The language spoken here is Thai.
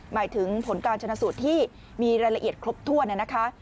หมายถึงผลการชนะสูตรที่มีรายละเอียดครบถ้วนนะคะ